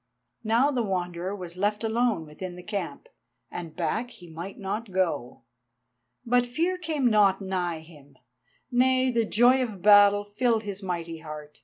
Now the Wanderer was left alone within the camp, and back he might not go. But fear came not nigh him, nay, the joy of battle filled his mighty heart.